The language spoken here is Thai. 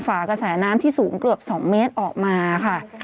ฝากระแสน้ำที่สูงเกือบ๒เมตรออกมาค่ะ